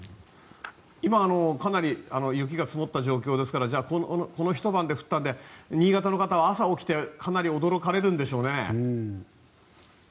今、かなり雪が積もった状況ですからじゃあ、このひと晩で降ったので新潟の方は朝起きてかなり驚かれるんでしょうね。